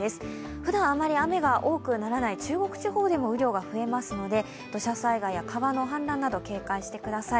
ふだん、あんまり雨が多くならない中国地方でも雨量が増えますので、土砂災害や川の氾濫など警戒してください。